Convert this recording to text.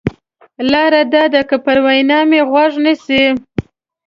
لار دا ده که پر وینا مې غوږ نیسې.